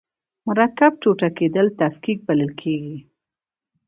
د مرکب ټوټه کیدل تفکیک بلل کیږي.